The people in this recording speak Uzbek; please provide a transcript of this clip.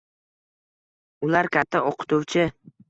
Ular katta o`qituvchi